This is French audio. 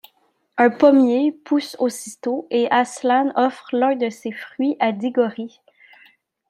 Un pommier pousse aussitôt, et Aslan offre l'un de ses fruits à Digory.